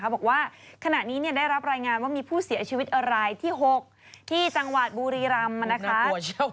บอกว่าขณะนี้ได้รับรายงานว่ามีผู้เสียชีวิตรายที่๖ที่จังหวัดบุรีรำนะคะ